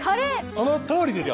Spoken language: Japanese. そのとおりですよ。